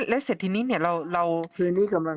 และเสร็จทีนี้เนี่ยเรา